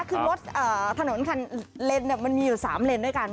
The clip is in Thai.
คือรถถนนเลนมันมีอยู่๓เลนด้วยกัน